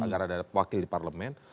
karena ada wakil di parlemen